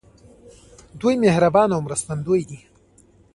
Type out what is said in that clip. دوی مهربان او مرستندوی دي.